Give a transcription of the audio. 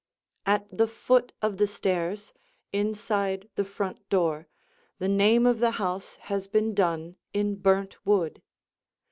At the foot of the stairs, inside the front door, the name of the house has been done in burnt wood.